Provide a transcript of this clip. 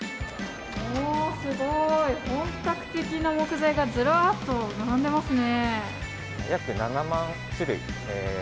すごい、本格的な木材がずらっと並んでいますね。